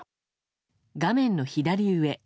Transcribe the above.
画面の左上。